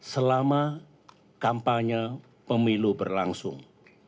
selama kampanye pemilu berlangsung